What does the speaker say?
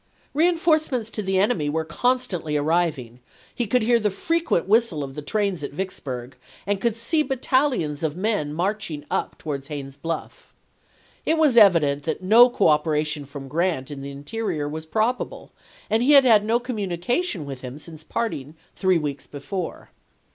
Reinforce ments to the enemy were constantly arriving ; he could hear the frequent whistle of the trains at Vicksburg, and could see battalions of men march ing up towards Haines's Bluff. It was evident that no cooperation from Grant in the interior was probable, and he had had no communication with him since parting three weeks before.